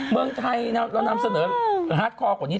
เมืองไทยเรานำเสนอฮาร์ดคอร์กว่านี้